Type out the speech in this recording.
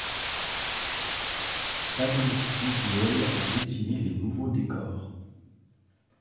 Fabrice Ouziel a dessiné les nouveaux décors.